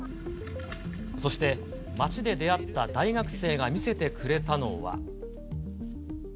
そして街で出会った大学生が見せてくれたのは。